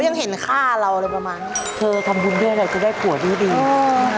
ฉันก็ไม่รู้เธอต้องถ่ายกลับไปให้ได้นะ